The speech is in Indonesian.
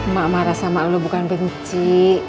mak marah sama allah bukan benci